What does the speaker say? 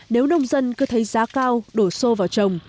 nếu nông dân cứ thấy giá cao đổ xô vào trồng